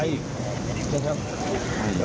ใช่ครับแต่ว่าเขาอาจจะถูกกัน